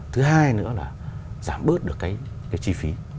thứ hai nữa là giảm bớt được cái chi phí